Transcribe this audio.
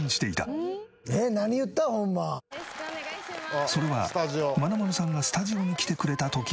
それはまなまるさんがスタジオに来てくれた時の事。